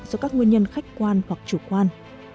do các nguyên nhân khách quan hoặc chủ quan